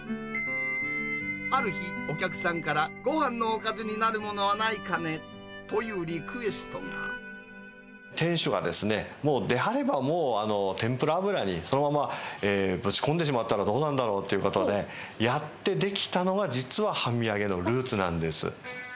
ある日、お客さんからごはんのおかずになるものはないかねというリクエス店主がですね、もう、であれば、天ぷら油にそのままぶち込んでしまったらどうなんだろうということで、やって出来たのが、実は半身揚げのルーツなんです。